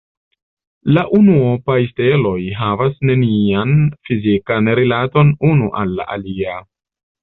La unuopaj steloj havas nenian fizikan rilaton unu al la alia.